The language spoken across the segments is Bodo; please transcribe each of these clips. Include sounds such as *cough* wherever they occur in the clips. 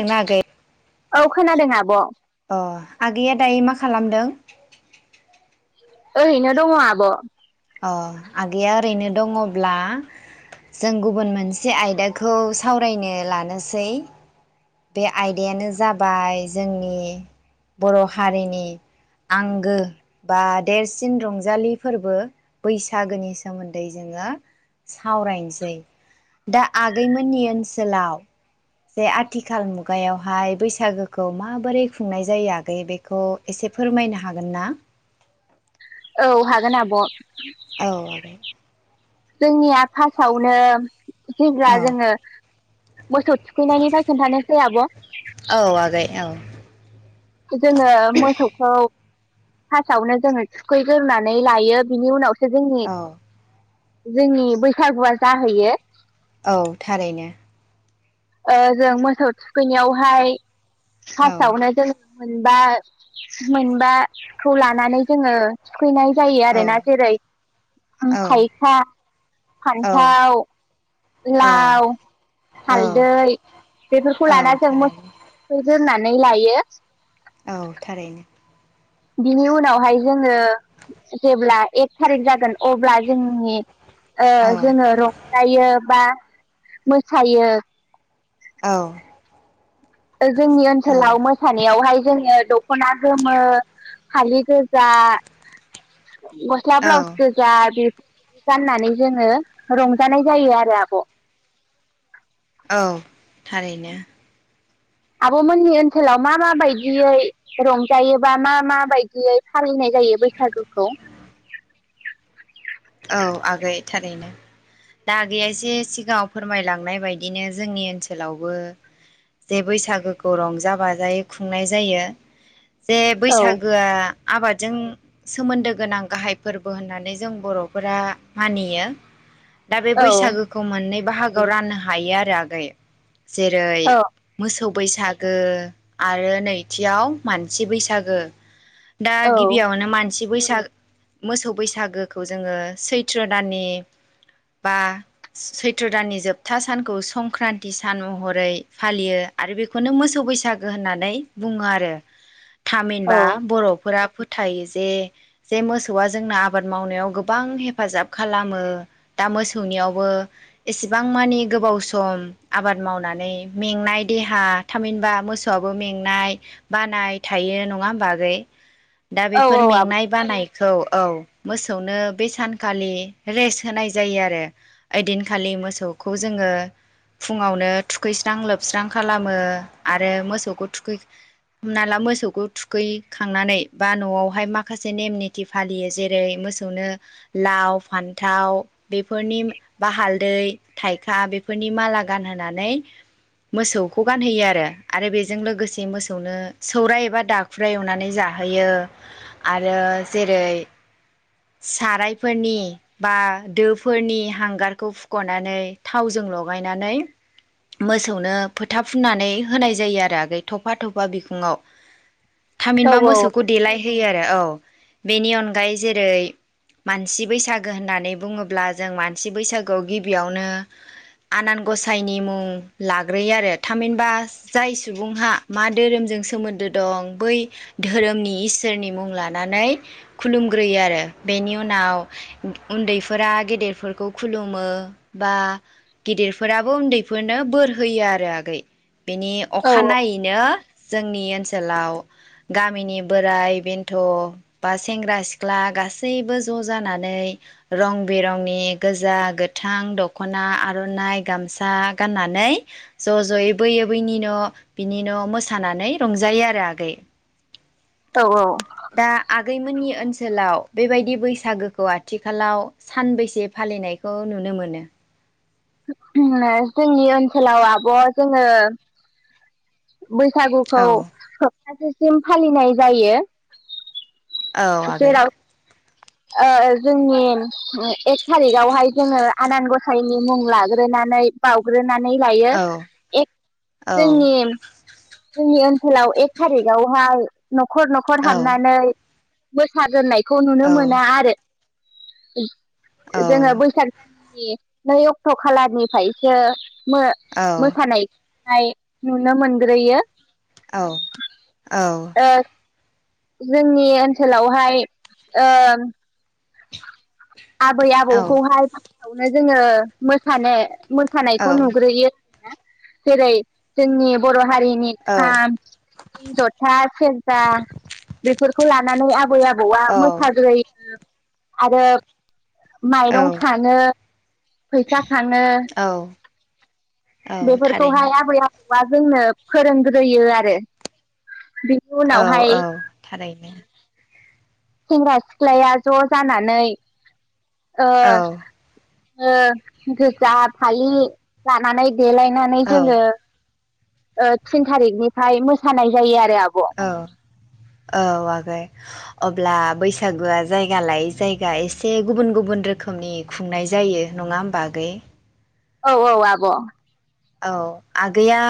जों ना आगै औ खोनादों आब' अ आगैया दायो मा खालामदों। ओरैनो दङ आब' अ आगैया ओरैनो दङब्ला जों गुबुन मोनसे आयदाखौ सावरायनो लानोसै बे आयदायानो जाबाय जोंनि बर' हारिनि आंगो बा देरसिन रंजालि फोरबो बैसागोनि सोमोन्दै जोङो सावरायनोसै दा आगैमोननि ओनसोलाव जे आथिखाल मुगायावहाय बैसागोखौ माबोरै खुंनाय जायो आगै बेखौ एसे फोरमायनो हागोन ना? औ हागोन आब' औ आगै जोंनिया फास आवनो जेब्ला औ जोंङो मोसौ थुखैनायनि फ्राय खोनथा सै आब' औ आगै औ जोङो मोसौखौ फार्स्टावनो जोङो थुखैग्रोननानै लायो बिनि उनाव सो जोंनि औ जोंनि बैसागुआ जाहैयो। औ थारैनो ओ जों मोसौ थुखैनायावहाय औ फार्स्टआवनो जों मोनबा मोनबाखौ लानानै जोङो थुखैनाय जायो औ आरो ना जेरै औ थायखा, औ फान्थाव, औ लाव, औ हालदै बेफोरखौ औ लाना जों थारैनो मोसो दोननानै लायो औ थारैनो बिनि उनावहाय जों जेब्ला एक थारिक जागोन अब्ला जोंनि ओ औ जोङो रंजायो बा मोसायो औ जोंनि औ ओनसोलाव मोसानायावहाय जोङो दख'ना गोमो फालि गोजा औ गस्लााब्लाउस गोजा बे गाननानै जोङो रंजानाय जायो आरो आब' औ थारैनो आब'मोननि ओनसोलाव मा म बायदियै रंजायोबा मा मा बायदियै फालिनाय जायो बैसागुखौ? औ आगै थारैनो दा आगैयासे सिगाङाव फोरमायलांनाय बायदिनो जोंनि ओनसोलावबो जे बैसागोखौ रंजा बाजायै खुंनाय जायो। जे औ बैसागोआ आबादजों सोमोन्दो गोनां गाहाय फोरबो होननानै जों बर' फोरा मानियो। दा बे औ बैसागोखौ मोननै बाहागोआव राननो हायो आरो आगै। जेरै औ मोसौ बैसागो आरो नैथियाव मानसि बैसागो। दा औ गिबियावनो मान थि बैसाग मोसौ बैसागोखौ जो जोङो सैत्र दाननि बा सैत्र दाननि जोबथा सानखौ संक्रान्ति सान महरै फालियो आरो बेखौनो मोसौ बैसागो होननानै बुङो आरो। औ थामिनबा बर'फोरा फोथायो जे जे मोसौआ जोंना आबाद मावनायाव गोब बां हेफाजाब खालामो दा मोसौनियावबो एसेबां मानि गोबाव सम आबाद मावनानै मेंनाय देहा थामहिनबा मोसौआबो मेंनाय बानाय थायो नङा होमबा आगै? दा औ बेफोर औ आब' मेंनाय बानाय औ औ मोसौनो बे सानखालि रेस्ट होनाय जायो आरो ओइदिनखालि मोसौखौ जोङो फुङावनो थुखैस्रां लोबस्रां खालामो आरो मोसौखौ थुखै हमना ला मोसौखौ थुखैखांनानै बा न'आवहाय माखासे नेम निथि फालियो जेरै मोसौनो लाव फान्थाव बेफोरनि बा हालदै थाइखा बेफोरनि माला गानहोनानै मोसौखौ गानहोयो आरो आरो बेजों लोगोसे मोसौनो सौराय एबा दाखुराय एवनानै जाहोयो आरो जेरै - सारायफोरनि बा दोफोरनि हांगारखौ फुखनानै थावजों लगायनानै मोसौनो फोथा फुननानै होनाय जायो आरो आगै थफा थफा बिखुंआव। औ थामहिनबा औ मोसौखौ देलायहोयो आरो औ। बेनि अनगायै जेरै मानसि बैसागो होननानै बुङोब्ला जों मानसि बैसागोआव गिबियावनो आनान गसाइनि मुं लाग्रोयो आरो थामहिनबा जाय सुबुंहा मा धोरोमजों सोमोन्दो दं बै धोरोमनि इसोरनि मुं लानानै खुलुमग्रोयो आरो। बेनि उनाव उन्दैफोरा गेदेरफोरखौ खुलुमो बा गेदेरफोराबो उन्दैफोरनो बोर होयो आरो आगै। बेनि औ अखानायैनो जोंनि ओनसोलाव गामिनि बोराय बेन्थ बा सेंग्रा सिख्ला गास सैबो ज' जानानै रं बेरंनि गोजा गोथां दखना आर'नाइ गामसा गाननानै ज जयै बोयै बैनि न बिनि न मोसानानै रंजायो आरो आगै। औ दा आगैमोननि ओनसोलाव बेबायदि बैसागोखौ आथिखालाव सानबैसे फालिनायखौ नुनो मोनो? जोंनि ओनसोलाव आब' जोङो बैसागुखौ औ थासेसिम फालिनाय जायो। औ आगै जेराव ओ जोंनि एक थारिखआवहाय जोङो आनान गसाइनि मुं लाग्रोनानै बावग्रो नानै लायो औ एख औ जोंनि जोंनि ओनसोलाव एक थारिखआवहाय नखर नखर औ हाबनानै मोसा गोरनाय खौ नुनो औ मोना आरो। *inaudible* जों बैसाग नै अक्ट'खालारनिफ्रायसो मो मोसानाय नाय नुनो मोनग्रोयो। औ औ। ओ जोंनि ओनसोलावहाय ओ आबै आबौखौहाय। ओमफ्राय जोङो मोसानो मोसानायखौ औ नुग्रोयो ना। जेरै जोंनि बर हारि नि औ खाम जथा सेरजा बेफोरखौ लानानै आबै आबौआ औ मोसाग्रोयो। आरो माइरं औ खाङो फैसा खाङो औ औ थारैनो बेफोरखौहाय आबै आबौ औवा जोंनो फोरोंग्रोयो आरो। बिनि औ उनावहाय औ थारैनो। सेंग्रा सिख्लाया ज' जानानै ओ औ गोजा फालि लानानै देलायनानै जोङो थिन थारिखनिफ्राय मोसानाय जायो आरो आब' औ औ आगै अब अब्ला बैसागुआ जायगा लायै जायगा एसे गुबुन गुबुन रोखोमनि खुंनाय जायो नङा होमबा आगै। औ औ आब'। औ आगैया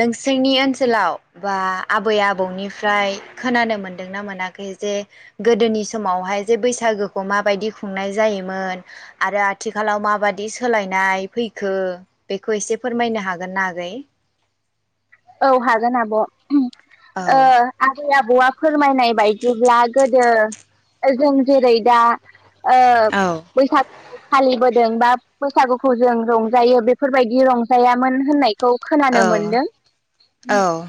नोंसोरनि ओनसोलाव बा आबै आबौनिफ्राय खोनानो मोनदोंना मोनाखै जे गोदोनि समावहाय जे बैसागोखौ माबायदि खुंनाय जायोमोन आरो आथिखालाव माबादि सोलायनाय फैखो बे खौ एसे फोरमायनो हागोन ना आगै। औ हागोन आब'। ओ औ आबै आबौआ फोरमायनाय बायदि जेब्ला गोदो जों जेरै दा ओ औ बैसागु फालिबो जों बा बैसागुखौ जों रंजायो बेफोर बायदि रंजायामोन होननाय खौ खोनानो औ मोनदों। औ।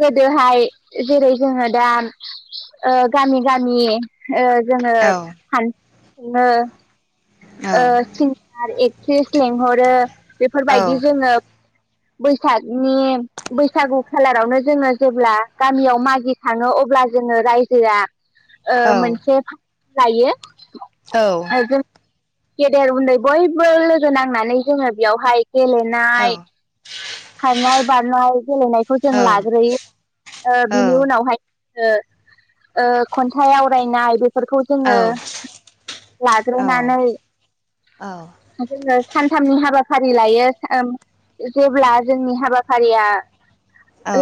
गोदोहाय जेरै जोङो दा ओ गामि-गामि। ओ जोङो। औ *inaudible* औ ओ *inaudible* लेंहरो। बेफोर औ बायदि जोङो। बैसागनि बैसागु खालारावनो जोङो जेब्ला गामियाव मागिनो थाङो अब्ला जोङो रायजोआ। ओ औ मोनसे। लायो। औ। जों गेदेर उन्दै बयबो लोगो नांनानै जोङो बेयावहाय। गेलेनाय खारनाय बारनाय गेलेनायखौ जों लाग्रोयो बिनि उनावहाय। ओ खन्थाइ आवरायनाय बे फोरखौ जोङो लाग्रोनानै औ। जोङो सानथामनि हाबाफारि लायो जेब्ला जोंनि हाबाफारिया। औ।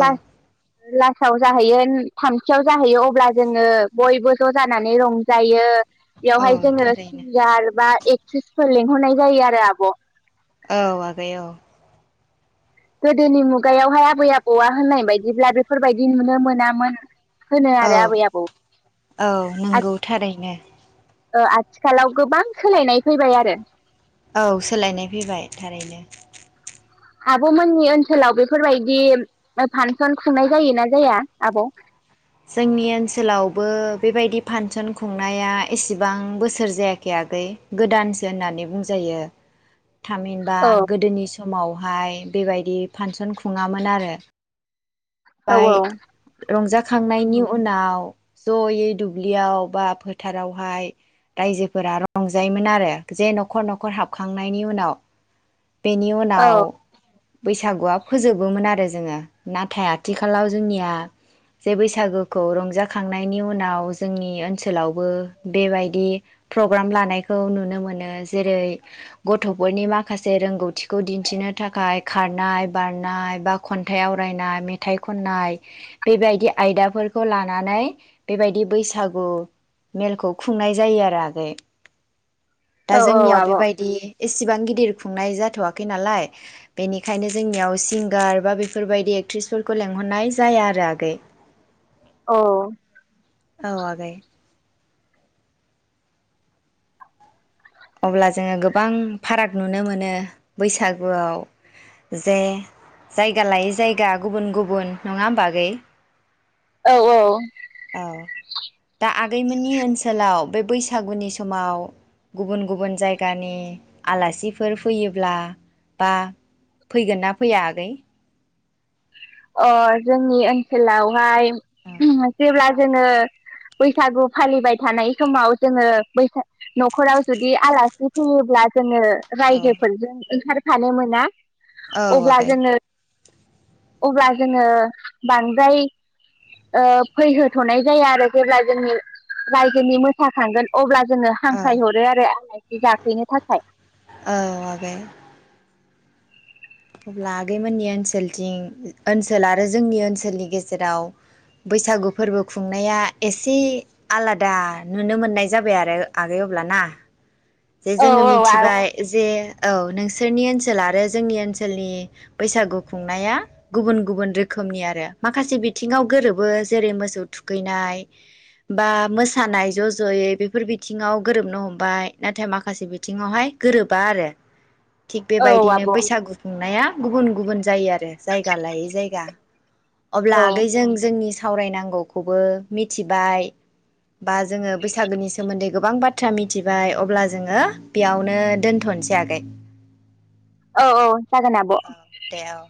लास्टाव जाहैयो थामथियाव जाहैयो अब्ला जोङो बयबो ज' जानानै रंजायो। औ बेयावहाय जोङो थारैनो। सिंगार बा एक्ट्रिसफोर लेंंहरनाय जायो आरो आब'। औ आगै औ। गोदोनि मुगायावहाय आबै आबौआ होननाय बायदिब्ला बेफोर बायदि नुनो मोनामोन। होनो औ आरो आबै आबौ औ नंगौ थारैनो। आथिखालाव गोबां सोलायनाय फैबाय आरो। औ सोलायनाय फैबाय थारैनो आब'मोननि ओनसोलाव बेफोर बायदि फांसन खुंनाय जायोना जाया आब'। जोंनि ओनसोलावबो बेबायदि फांसन खुंनाया एसेबां बोसोर जायाखै आगै गोदानसो होननानै बुंजायो। थाम हिनबा गोदोनि समावहाय बेबायदि फांसन खुङामोन आरो। औ औ। ओमफ्राय रंजाखांनायनि उनाव जयै दुब्लियाव बा फोथारावहाय रायजोफोरा रंजायोमोन आरो जे न'खर न'खर हाबखांनायनि उनाव। बेनि औ उनाव। बैसागुआ फोजोबोमोन आरो जोंङो नाथाय आथिखालाव जोंनिया जे बैसागोखौ रंजाखांनायनि उनाव जोंनि ओनसोलावबो बेबायदि प्रग्राम लानायखौ नुनो मोनो जेरै गथफोरनि माखासे जे रोंगौथिखौ दिन्थिनो थाखाय खारनाय बारनाय बा खन्थाइ आवरायनाय मेथाइ खन्नाय बेबायदि आयदाफोरखौ लानानै बेबायदि बैसागु मेलखौ खुंनाय जायो आरो आगै। दा औ औ जोंनियाव आब' बेबायदि एसेबां गिदिर खुंनाय जाथ'वाखै नालाय बेनिखायनो जोंनियाव सिंगार बा बेफोरबायदि एक्ट्रिसफोरखौ लेंहरनाय जाया आरो आगै। औ औ आगै। अब्ला जोङो गोबां फाराग नुनो मोनो बैसागुआव जे जायगा लायै जायगा गुबुन गुबुन नङा होमबा आगै। औ औ। गैमोननि ओनसोलाव बे बैसागुनि समाव गुबुन गुबुन जायगानि आलासिफोर फैयोब्ला बा फैगोन ना फैया आगै। अ जोंनि ओनसोलावहाय औ जेब्ला जोङो बैसागु फालिबाय थानाय समाव जोङो बैसा न'खराव जुदि आलासि फैयोब्ला जोङो औ रायजोफोरजों ओंखार फानो मोना। औ अब्ला आगै जोङो अब्ला जोङो बांद्राय ओ फैहोथ'नाय जाया आरो जेब्ला जोंनि रायजोनि मोसाखांगोन अब्ला जोङो औ हांख्राय हरो आरो *unintelligible* जाफैनो थाखाय। औ आगै अब्ला आगैमोननि ओनसोलथिं ओनसोल आरो जोंनि ओनसोलनि गेजेराव बैसागु फोरबो खुंनाया एसे आलादा नुनो मोननाय जाबाय आरो आगै अब्ला ना। जे औ जोङो औ औ मिथिबाय जे। औ नोंसोरनि ओनसोल आरो जोंनि ओनसोलनि बैसागु खुंनाया गुबुन गुबुन रोखोमनि आरो माखासे बिथिङाव गोरोबो जेरै मोसौ थुखैनाय बा मोसानाय ज' ज'यै बेफोर बिथिङाव गोरोबनो हमबाय। नाथाय माखासे बिथिङावहाय गोरोबा आरो। थिग बेबायदिनो आब' औ बैसागु खुंनाया गुबुन गुबुन जायो आरो जायगा लायै जायगा। अब्ला औ आगै जों जोंनि सावरायनांगौखौबो मिथिबाय बा जोङो बैसागोनि सोमोन्दै गोबां बाथ्रा मिथिबाय अ अब्ला जोङो बेयावनो दोनथनोसै आगै। औ औ। जागोन आब'। औ दे औ